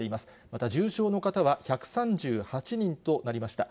また重症の方は１３８人となりました。